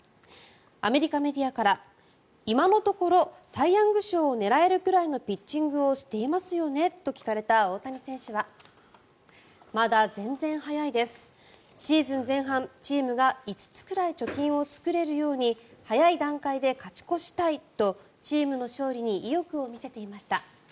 アメリカメディアから今のところサイ・ヤング賞を狙えるくらいのピッチングをしていますよねと聞かれた大谷選手はまだ全然早いですシーズン前半、チームが５つくらい貯金を作れるように早い段階で勝ち越したいとチームの勝利に意欲を見せていました。